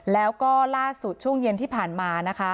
แล้วก็ล่าสุดช่วงเย็นที่ผ่านมานะคะ